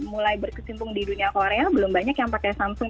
mulai berkesimpung di dunia korea belum banyak yang pakai samsung